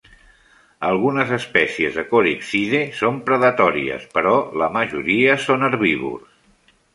Algunes espècies de Corixidae són predatòries, però la majoria son herbívors.